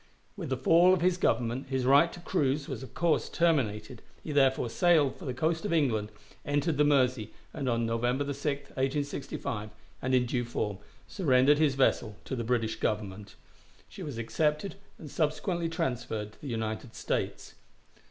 With the fall of his Government his right to cruise was of course terminated; he therefore sailed for the coast of England, entered the Mersey, and on November 6, 1865, and in due form, surrendered his vessel to the British Government. She was accepted and subsequently transferred to the United States.